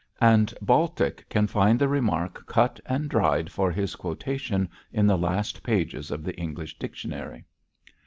_' And Baltic can find the remark cut and dried for his quotation in the last pages of the English dictionary.